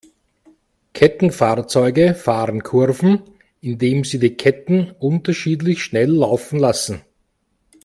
Kettenfahrzeuge fahren Kurven, indem sie die Ketten unterschiedlich schnell laufen lassen.